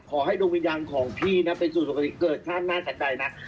ขอให้ดวงวิญญาณของพี่นะไปสู่สุขติเกิดท่านน่าสนใจนะ